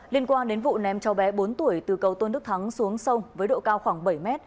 liên quan đến vụ ném cháu bé bốn tuổi từ cầu tôn đức thắng xuống sông với độ cao khoảng bảy m